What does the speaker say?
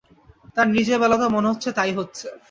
তাঁর নিজের বেলাতেও মনে হচ্ছে তা-ই হচ্ছে।